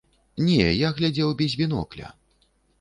Не, я глядзеў без бінокля.